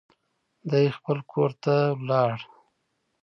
ده خپل کور ته لاړ.